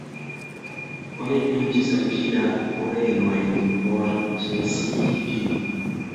Oni pinĉis al ĝi la orelojn por ĉesigi ĝin.